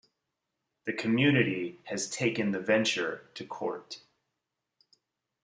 The community has taken the venture to court.